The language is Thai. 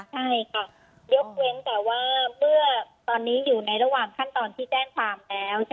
ใช่ค่ะยกเว้นแต่ว่าเมื่อตอนนี้อยู่ในระหว่างขั้นตอนที่แจ้งความแล้ว